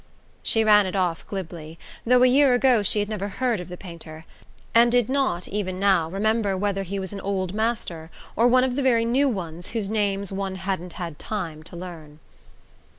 She ran it off glibly, though a year ago she had never heard of the painter, and did not, even now, remember whether he was an Old Master or one of the very new ones whose names one hadn't had time to learn.